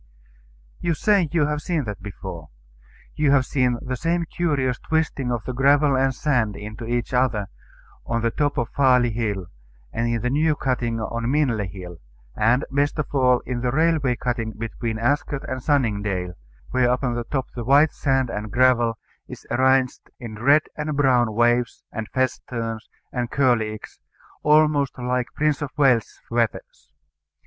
You say you have seen that before. You have seen the same curious twisting of the gravel and sand into each other on the top of Farley Hill, and in the new cutting on Minley Hill; and, best of all, in the railway cutting between Ascot and Sunningdale, where upon the top the white sand and gravel is arranged in red and brown waves, and festoons, and curlicues, almost like Prince of Wales's feathers.